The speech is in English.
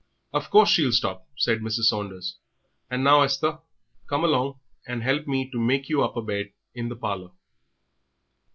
"Of course she'll stop," said Mrs. Saunders. "And now, Esther, come along and help me to make you up a bed in the parlour."